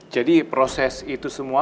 jadi proses itu semua